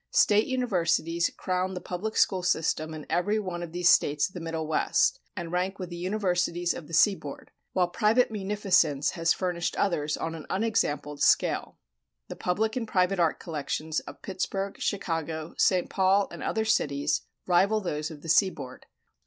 State universities crown the public school system in every one of these States of the Middle West, and rank with the universities of the seaboard, while private munificence has furnished others on an unexampled scale. The public and private art collections of Pittsburgh, Chicago, St. Paul, and other cities rival those of the seaboard.